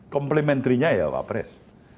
komplementrinya ya pak pres